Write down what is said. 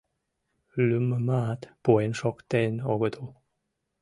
Лӱмымат пуэн шуктен огытыл.